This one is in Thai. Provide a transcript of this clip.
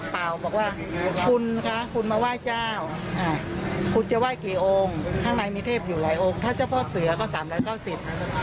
มาถึงหน้าร้านแล้วทำไมถึงมาโพสต์อย่างนี้